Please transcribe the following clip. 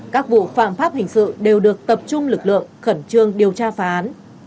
các vụ phạm pháp hình sự đều được tập trung lực lượng khẩn trương điều tra phá án